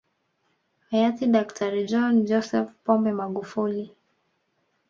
Hayati Daktari John Joseph Pombe Magufuli